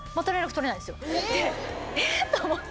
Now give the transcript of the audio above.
えっ！と思って。